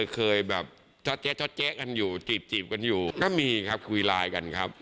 ก็มีครับคุยไลน์กันครับ